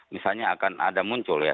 misalnya akan ada muncul ya